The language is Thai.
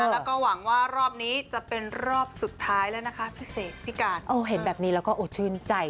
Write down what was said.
แล้วก็หวังว่ารอบนี้จะเป็นรอบสุดท้ายแล้วนะคะพี่เสกพี่การเห็นแบบนี้แล้วก็โอ้ชื่นใจ